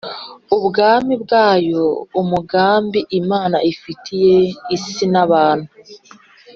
Ubwami bwayo umugambi Imana ifitiye isi n abantu